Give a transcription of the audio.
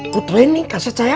putri ini kaset saya